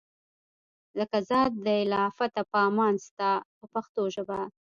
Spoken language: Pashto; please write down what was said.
لکه ذات دی له آفته په امان ستا په پښتو ژبه.